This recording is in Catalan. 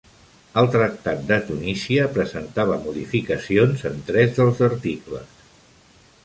El Tractat de Tunísia presentava modificacions en tres dels articles.